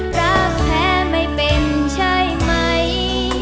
รักแท้ไม่เป็นใช่ไหม